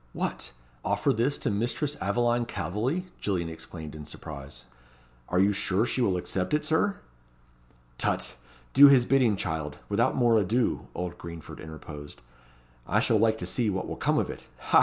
"What! offer this to Mistress Aveline Calveley?" Gillian exclaimed in surprise. "Are you sure she will accept it, Sir?" "Tut! do his bidding, child, without more ado," old Greenford interposed. "I shall like to see what will come of it ha!